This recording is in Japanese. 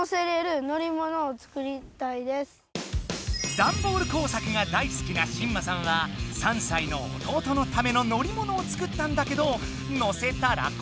ダンボール工作がだいすきなしんまさんは３さいの弟のための乗りものを作ったんだけど乗せたらこわれちゃった。